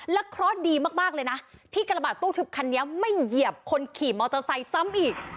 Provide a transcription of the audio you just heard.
เพราะดีมากเลยนะที่กระบาดตู้ทึบคันนี้ไม่เหยียบคนขี่มอเตอร์ไซค์ซ้ำอีก